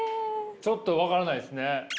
ちょっと分からないですね。